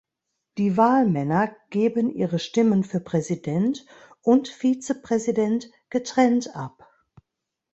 Die Wahlmänner geben ihre Stimmen für Präsident und Vizepräsident getrennt ab.